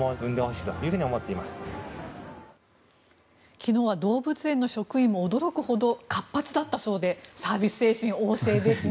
昨日は動物園の職員も驚くほど活発だったそうでサービス精神旺盛ですね。